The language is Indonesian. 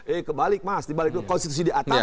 eh kebalik mas dibalik konstitusi di atas